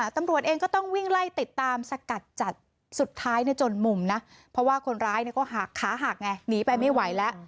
ตำรวจเองก็ต้องวิ่งไล่ติดตามสกัดจัดสุดท้ายจนมุมนะเพราะว่าคนร้ายก็หักขาหักไงหนีไปไม่ไหวแล้ว